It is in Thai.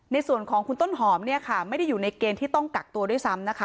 ในส่วนของคุณต้นหอมเนี่ยค่ะไม่ได้อยู่ในเกณฑ์ที่ต้องกักตัวด้วยซ้ำนะคะ